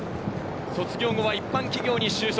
卒業後は一般企業に就職。